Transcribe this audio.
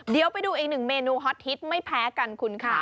เดี๋ยวไปดูอีกหนึ่งเมนูฮอตฮิตไม่แพ้กันคุณค่ะ